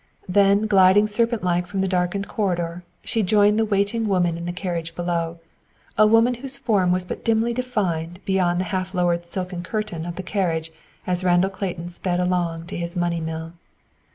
Then gliding serpent like from the darkened corridor, she joined the waiting woman in the carriage below, a woman whose form was but dimly defined beyond the half lowered silken curtain of the carriage as Randall Clayton sped along to his money mill.